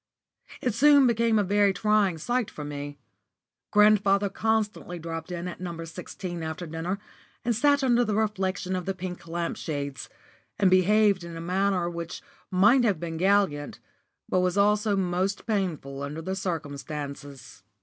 It soon became a very trying sight for me. Grandfather constantly dropped in at No. 16 after dinner, and sat under the reflection of the pink lamp shades, and behaved in a manner which might have been gallant, but was also most painful under the circumstances.